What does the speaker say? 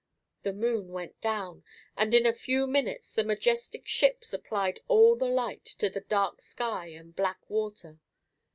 The moon went down, and in a few minutes the majestic ship supplied all the light to the dark sky and black water.